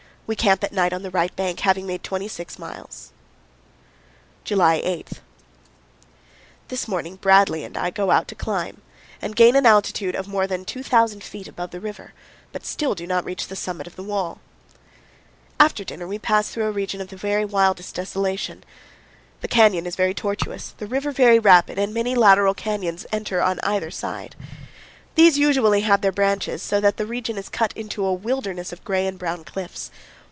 We camp at night on the right bank, having made 26 miles. July 8. This morning Bradley and I go out to climb, and gain an altitude of more than 2,000 feet above the river, but still do not reach the summit of the wall. powell canyons 129.jpg SUMNER'S AMPHITHEATER. FROM THE UINTA TO THE GRAND. 191 After dinner we pass through a region of the wildest desolation. The canyon is very tortuous, the river very rapid, and many lateral canyons enter on either side. These usually have their branches, so that the region is cut into a wilderness of gray and brown cliffs.